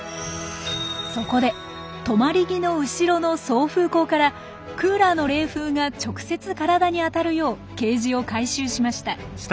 そこで止まり木の後ろの送風口からクーラーの冷風が直接体に当たるようケージを改修しました。